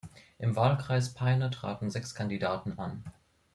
Im Wahlkreis Peine traten sechs Kandidaten an.